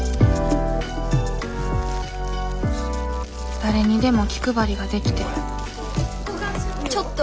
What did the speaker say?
誰にでも気配りができてちょっと。